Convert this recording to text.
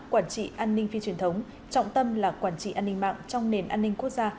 quản trị an ninh phi truyền thống trọng tâm là quản trị an ninh mạng trong nền an ninh quốc gia